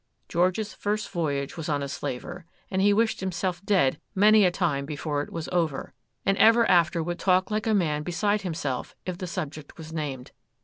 George's first voyage was on a slaver, and he wished himself dead many a time before it was over,—and ever after would talk like a man beside himself if the subject was named.